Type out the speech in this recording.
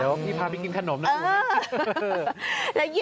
เดี๋ยวพี่พาไปกินขนมนะคุณ